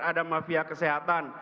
ada mafia kesehatan